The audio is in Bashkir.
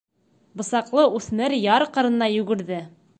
Бысаҡлы үҫмер яр ҡырына йүгерҙе.